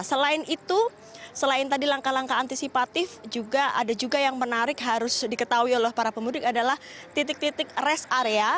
selain itu selain tadi langkah langkah antisipatif ada juga yang menarik harus diketahui oleh para pemudik adalah titik titik rest area